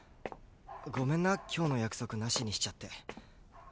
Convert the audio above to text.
ごめんな今日の約束なしにしちゃって。